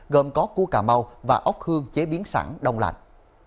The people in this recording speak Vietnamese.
gồm có cua cà mau và ốc hương chế biến sẵn đông lạnh